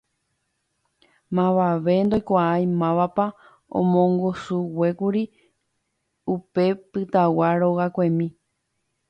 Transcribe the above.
Mavave ndoikuaái mávapa omongusuguékuri upe pytagua rogakuemi.